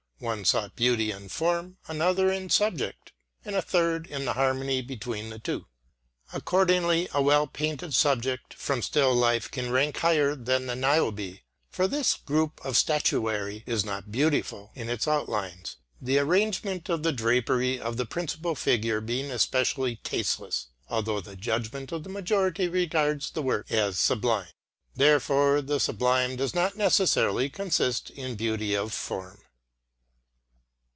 One sought beauty in form, another in subject, and a third in the harmony between the two. Accordingly a well painted subject from still life can rank higher than the Niobe, for this group of statuary is not beautiful in its outlines, the arrangement of the drapery of the principal figure being especially tasteless although the judgment of the majority regards the work as sublime. Therefore the sublime does not necessarily consist in beauty of form.